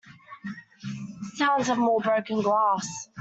Sounds of more broken glass.